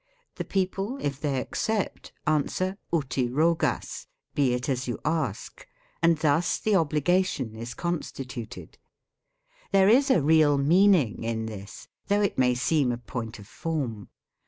The people, if they accept, answer " Uti rogas ;"" Be it as you ask "; and thus the obligation is constituted. There is a real meaning in this, though it may seem a point of form.